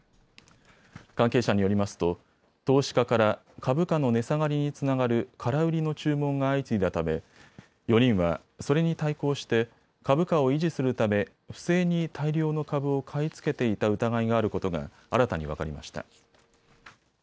関係者によりますと投資家から株価の値下がりにつながる空売りの注文が相次いだため４人はそれに対抗して、株価を維持するため不正に大量の株を買い付けていた疑いがあることが新たに分かりました。